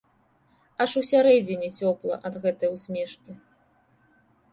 Аж усярэдзіне цёпла ад гэтай усмешкі.